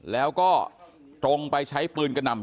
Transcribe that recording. แล้วก็ตรงไปใช้ปืนกระหน่ำ